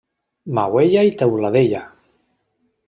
Mauella i Teuladella.